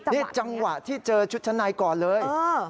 นี่จังหวะที่เจอชุดชั้นในก่อนเลย